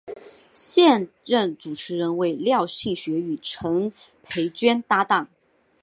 现任主持人为廖庆学与陈斐娟搭档。